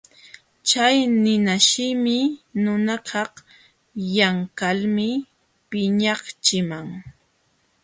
Chay ninashimi nunakaq yanqalmi piñaqchiman.